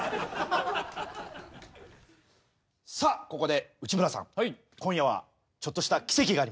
さあここで内村さん今夜はちょっとした奇跡があります。